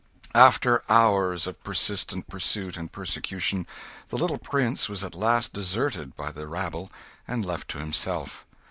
After hours of persistent pursuit and persecution, the little prince was at last deserted by the rabble and left to himself.